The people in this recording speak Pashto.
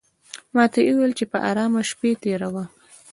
ماته یې وویل چې په آرامه شپې تېروه.